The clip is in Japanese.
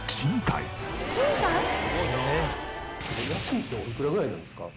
家賃っておいくらぐらいなんですか？